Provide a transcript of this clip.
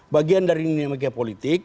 bagian dari dinamika politik